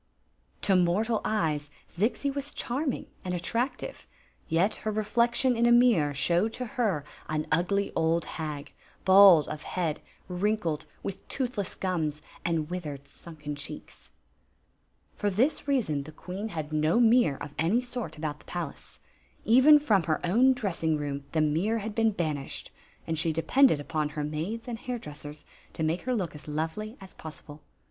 ST of the Magic Clodc To fiiOTtftl eyes Zixi was channing and attractive; yet her reflection in a mirror showed to her an ugly old hag, bald of head, wrinkled, with toothless gums and withered, sunken cheeks. ¥&r tilts reaaon die qvmen had no mirror of any mrt Bkmit the palace. Even fror. her own dressing 'om " le mirror had ' ten banished, and she depended er naids and hair dressers to make her look as hi^dy a . possible.